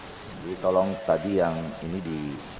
jadi tolong tadi yang ini di